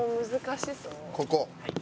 ここ。